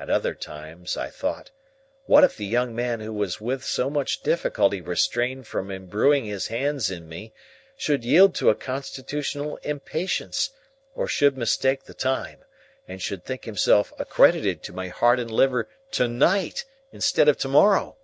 At other times, I thought, What if the young man who was with so much difficulty restrained from imbruing his hands in me should yield to a constitutional impatience, or should mistake the time, and should think himself accredited to my heart and liver to night, instead of to morrow!